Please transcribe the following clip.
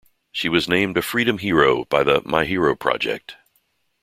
She was named a Freedom hero by The My Hero Project.